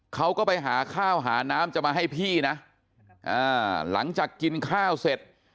เขาก็ไปหาข้าวหาน้ำจะมาให้พี่นะหลังจากกินข้าวเสร็จ